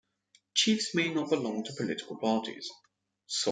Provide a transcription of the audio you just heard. Chiefs may not belong to political parties.